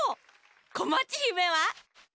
こまちひめは？